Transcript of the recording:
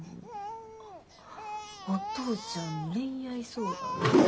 お父ちゃんの恋愛相談とか？